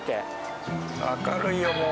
明るいよもう。